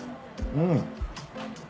うん！